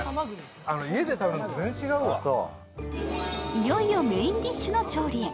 いよいよメインディッシュの調理へ。